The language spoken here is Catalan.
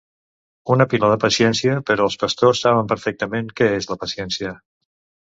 una pila de paciència, però els pastors saben perfectament què és la paciència.